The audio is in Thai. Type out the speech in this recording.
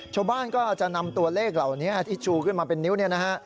ชาวบ้านก็จะนำตัวเลขเหล่านี้ที่ชูขึ้นมาเป็นนิ้วเนี่ยนะฮะ